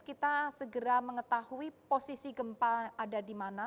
kita segera mengetahui posisi gempa ada di mana